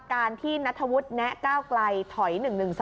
การที่นัทธวุฒิแนะก้าวไกลถอย๑๑๒